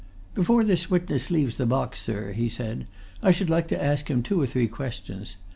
"Before this witness leaves the box, sir," he said, "I should like to ask him two or three questions.